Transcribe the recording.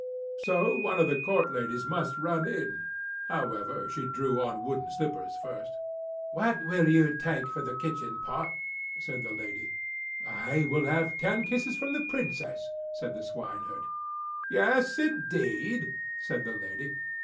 So one of the court ladies must run in; however, she drew on wooden slippers first. "What will you take for the kitchen pot?" said the lady. "I will have ten kisses from the Princess," said the swineherd. "Yes, indeed!" said the lady.